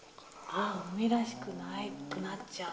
ああ海らしくなくなっちゃう。